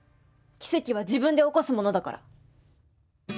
奇跡は自分で起こすものだから。